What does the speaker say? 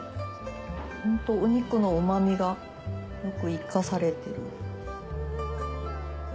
ホントお肉のうま味がよく生かされてる。